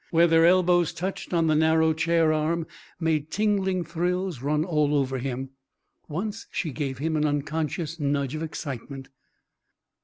Where their elbows touched on the narrow chair arm made tingling thrills run all over him. Once she gave him an unconscious nudge of excitement.